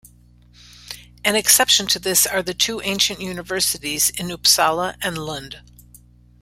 An exception to this are the two ancient universities in Uppsala and Lund.